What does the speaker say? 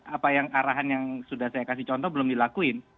apa yang arahan yang sudah saya kasih contoh belum dilakuin